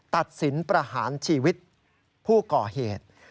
ตัดสินประหารชีวิตผู้ก่อเหตุ